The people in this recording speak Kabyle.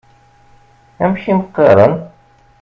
Amek i m-qqaṛen?